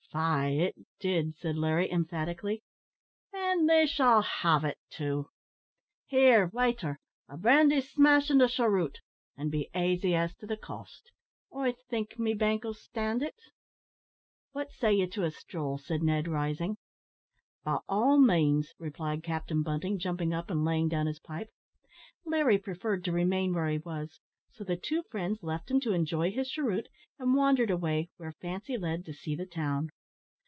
"Faix it did," said Larry, emphatically; "and they shall have it, too; here, waiter, a brandy smash and a cheroot, and be aisy as to the cost; I think me bank'll stand it." "What say you to a stroll!" said Ned, rising. "By all means," replied Captain Bunting, jumping up, and laying down his pipe. Larry preferred to remain where he was; so the two friends left him to enjoy his cheroot, and wandered away, where fancy led, to see the town.